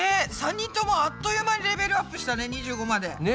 ３人ともあっという間にレベルアップしたね２５まで。ね。